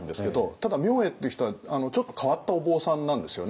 ただ明恵っていう人はちょっと変わったお坊さんなんですよね。